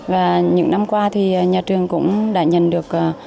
và những năm qua thì nhà trường cũng đã nhận được